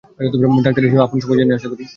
Doctor হিসেবে আপনও সবই জানেন আশা করি।